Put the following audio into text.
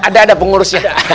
ada ada pengurusnya